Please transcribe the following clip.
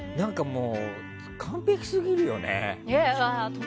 完璧すぎるよね。